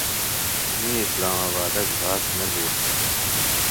می اسلام آبادہ گھراست نہ دھرِیݜٹوۡ۔